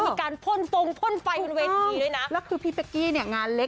มีการพ่นพ่นไฟเป็นเวทย์ดิดีนะแล้วคือพี่แป๊กกี้เนี้ยงานเล็ก